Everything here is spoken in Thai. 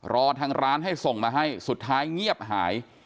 รอทางร้านให้ส่งมาให้สุดท้ายเงียบหาย